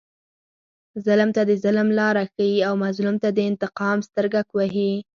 ظلم ته د ظلم لاره ښیي او مظلوم ته د انتقام سترګک وهي.